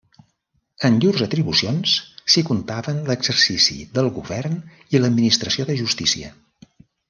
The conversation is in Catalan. En llurs atribucions s'hi comptaven l'exercici del govern i l'administració de justícia.